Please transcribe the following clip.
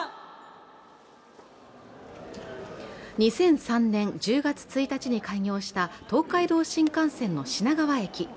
２００３年１０月１日に開業した東海道新幹線の品川駅。